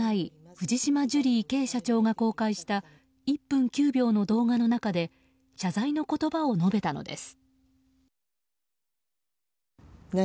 藤島ジュリーＫ．社長が公開した１分９秒の動画の中で謝罪の言葉を述べたのです。